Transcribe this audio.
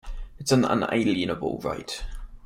It's an unalienable right.